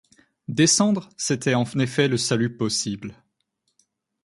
Descendre, c'était en effet le salut possible.